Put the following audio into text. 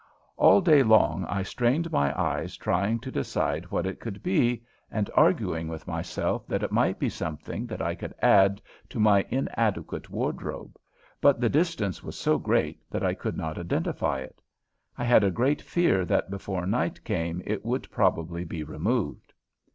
All day long I strained my eyes trying to decide what it could be and arguing with myself that it might be something that I could add to my inadequate wardrobe, but the distance was so great that I could not identify it. I had a great fear that before night came it would probably be removed.